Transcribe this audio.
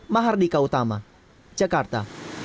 mahardika utama jakarta